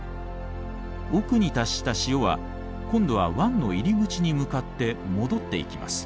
奥に達した潮は今度は湾の入り口に向かって戻っていきます。